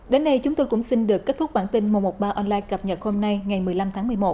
đến đây chúng tôi cũng xin được kết thúc bản tin một trăm một mươi ba online cập nhật hôm nay ngày một mươi năm tháng một mươi một